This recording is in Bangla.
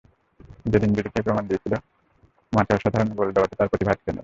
সেদিন জুরিখেই প্রমাণ দিয়েছিলেন, মাঠে অসাধারণ গোল দেওয়াতেই তাঁর প্রতিভা আটকে নেই।